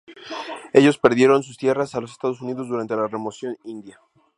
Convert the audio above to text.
Ellos perdieron sus tierras a los Estados Unidos durante la Remoción India.